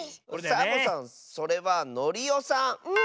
サボさんそれはノリオさん！